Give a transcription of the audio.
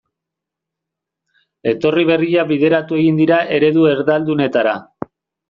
Etorri berriak bideratu egin dira eredu erdaldunetara.